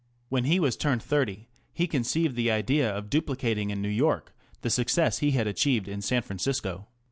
When he was turned thirty he conceived the idea of duplicating in New York the success he had achieved in San Francisco.